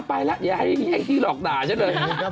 ไปละอย่าให้นี่ไอ้ที่หลอกด่าฉันเลย